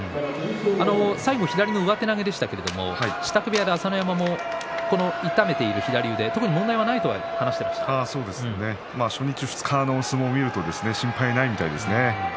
最後は左の上手投げでしたけれど支度部屋で朝乃山も痛めている左腕初日、二日の相撲を見ると問題はないようですね。